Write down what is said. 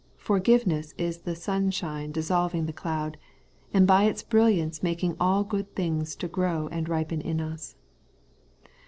Forgiveness is the sunshine dissolv ing the cloud, and by its brilliance making all good things to grow and ripen in us.